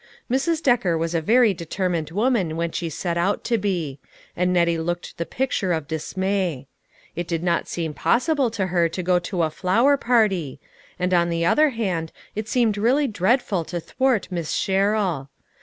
Mrs. Decker was a very determined woman when she set out to be ; and Nettie looked the picture of dismay. It did not seem possible to her to go to a flower party ; and on the other hand it seemed really dreadful to thwart Miss Sherrill.